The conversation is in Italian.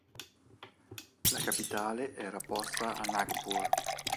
La capitale era posta a Nagpur.